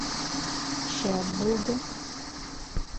Шәп булды.